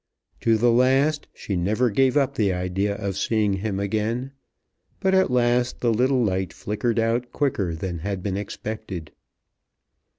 To the last she never gave up the idea of seeing him again; but at last the little light flickered out quicker than had been expected.